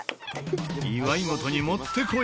祝い事にもってこい？